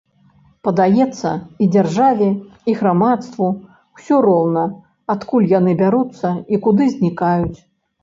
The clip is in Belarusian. Падаецца, і дзяржаве, і грамадству ўсё роўна, адкуль яны бяруцца і куды знікаюць.